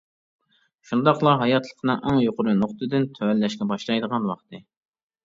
شۇنداقلا ھاياتلىقنىڭ ئەڭ يۇقىرى نۇقتىدىن تۆۋەنلەشكە باشلايدىغان ۋاقتى.